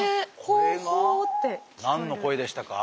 これが何の声でしたか？